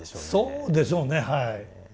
そうでしょうねはい。